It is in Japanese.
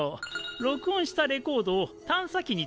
録音したレコードを探査機に積んだんだ。